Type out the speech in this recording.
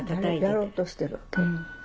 やろうとしてるわけ？